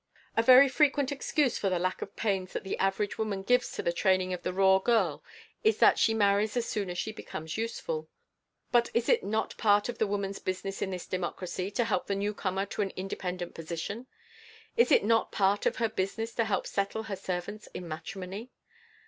A very frequent excuse for the lack of pains that the average woman gives to the training of the raw girl is that she marries as soon as she becomes useful. But is it not part of the woman's business in this democracy to help the newcomer to an independent position? Is it not part of her business to help settle her servants in matrimony?